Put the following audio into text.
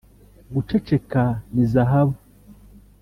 guceceka ni zahabu